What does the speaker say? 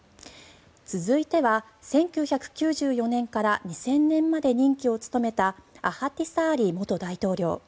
続いては１９９４年から２０００年まで任期を務めたアハティサーリ元大統領。